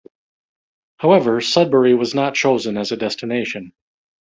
However, Sudbury was not chosen as a destination.